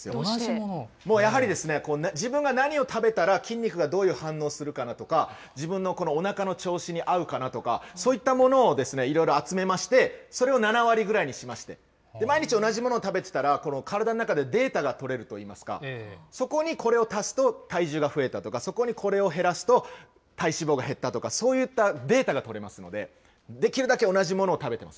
やはり、自分が何を食べたら筋肉がどういう反応をするかなとか、自分のおなかの調子に合うかなとか、そういったものをいろいろ集めまして、それを７割ぐらいにしまして、毎日同じものを食べてたら体の中でデータが取れるといいますか、そこにこれを足すと、体重が増えたとか、そこにこれを減らすと、体脂肪が減ったとか、そういったデータが取れますので、できるだけ同じものを食べてます。